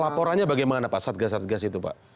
laporannya bagaimana pak satgas satgas itu pak